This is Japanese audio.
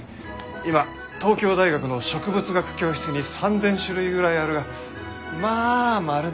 今東京大学の植物学教室に３，０００種類ぐらいあるがまあまるで足らんよ。